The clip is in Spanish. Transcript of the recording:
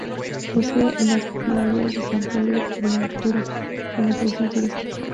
Posee la playas de San Pedro y La Altura, como atracción turística.